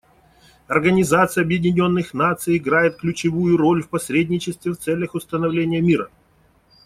Организация Объединенных Наций играет ключевую роль в посредничестве в целях установления мира.